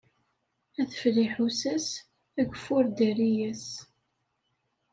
Adfel lḥu-as, ageffur ddari-as